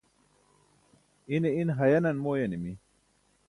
ine in hayanan mooyanimi